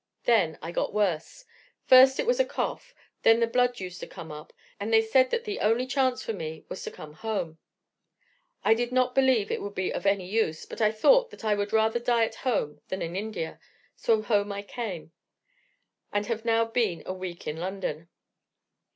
Then I got worse; first it was a cough, then the blood used to come up, and they said that the only chance for me was to come home. I did not believe it would be of any use, but I thought that I would rather die at home than in India, so home I came, and have now been a week in London.